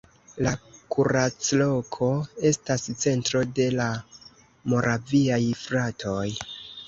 La Kuracloko estas centro de la Moraviaj fratoj.